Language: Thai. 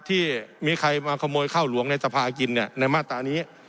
ที่มีใครมาขโมยข้าวหลวงในสภากินในมาตรานี้